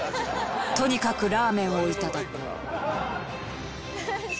とにかくラーメンを頂こう。